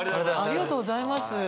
ありがとうございます。